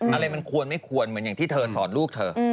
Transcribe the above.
อะไรมันควรไม่ควรเหมือนอย่างที่เธอสอนลูกเธอ